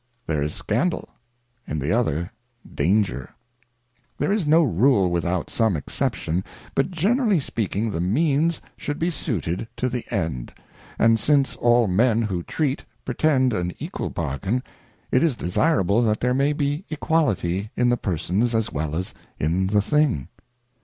There is scandal, in the other danger. There is no Rule without some Exception, but generally speaking the means should be suited to the end, and since all Men who treat, pretend an equal bargain, it is desirable that there may be equality in the persons as well as in the thing.